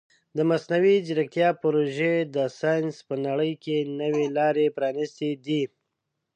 د مصنوعي ځیرکتیا پروژې د ساینس په نړۍ کې نوې لارې پرانیستې دي.